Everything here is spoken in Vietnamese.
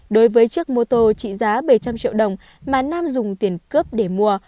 đối với chiếc mô tô trị giá bảy trăm linh triệu đồng mà nam dùng tiền cướp để mua